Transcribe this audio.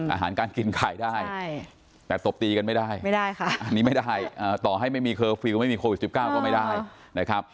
อาหารการกินขายได้แต่ตบตีกันไม่ได้ไม่ได้ค่ะ